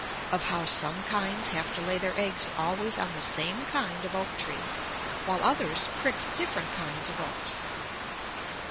Of how some kinds have to lay their eggs always on the same kind of oak tree, while others prick different kinds of oaks.